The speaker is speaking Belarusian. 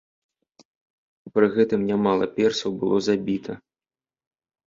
Пры гэтым нямала персаў было забіта.